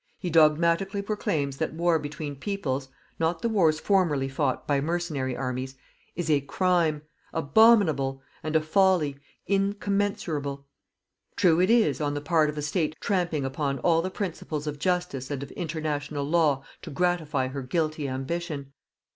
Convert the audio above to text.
He dogmatically proclaims that war between peoples not the wars formerly fought by mercenary armies, is a crime, abominable, and a folly, incommensurable. True it is on the part of a State tramping upon all the principles of Justice and of International Law to gratify her guilty ambition.